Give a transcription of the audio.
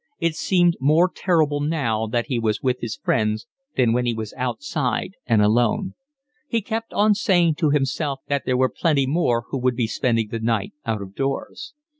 It seemed more terrible now that he was with his friends than when he was outside and alone. He kept on saying to himself that there were plenty more who would be spending the night out of doors.